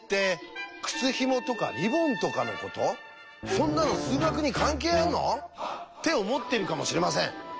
そんなの数学に関係あんの？って思ってるかもしれません。